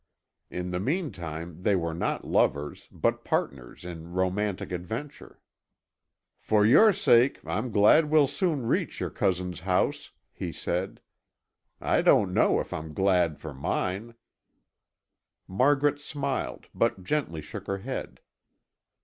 In the meantime they were not lovers, but partners in romantic adventure. "For your sake, I'm glad we'll soon reach your cousin's house," he said. "I don't know if I'm glad for mine." Margaret smiled but gently shook her head.